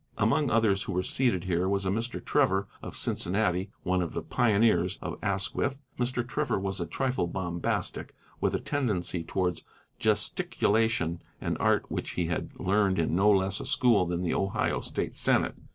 Among others who were seated here was a Mr. Trevor, of Cincinnati, one of the pioneers of Asquith. Mr. Trevor was a trifle bombastic, with a tendency towards gesticulation, an art which he had learned in no less a school than the Ohio State Senate.